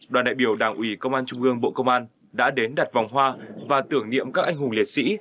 đoàn đại biểu đảng ủy công an trung ương bộ công an đã đến đặt vòng hoa và tưởng niệm các anh hùng liệt sĩ